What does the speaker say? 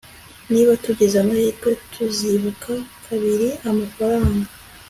niba tugize amahirwe, tuzikuba kabiri amafaranga